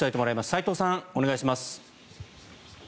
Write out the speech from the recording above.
齋藤さん、お願いします。